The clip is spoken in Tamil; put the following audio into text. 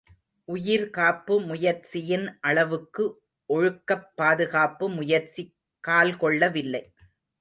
உயிர் காப்பு முயற்சியின் அளவுக்கு ஒழுக்கப் பாதுகாப்பு முயற்சி கால்கொள்ளவில்லை.